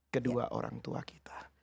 kedua orang tua kita